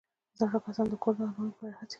زاړه کسان د کور د ارامۍ لپاره هڅې کوي